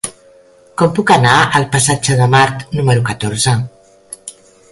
Com puc anar al passatge de Mart número catorze?